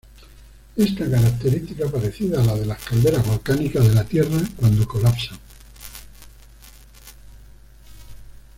Esta característica parecida a la de las calderas volcánicas de la Tierra cuando colapsan.